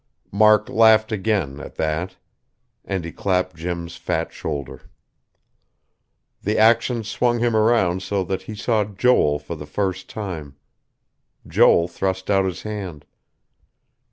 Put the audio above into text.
Mark laughed again, at that; and he clapped Jim's fat shoulder. The action swung him around so that he saw Joel for the first time. Joel thrust out his hand.